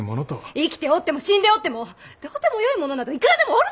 生きておっても死んでおってもどうでもよい者などいくらでもおるであろう。